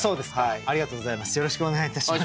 ありがとうございます。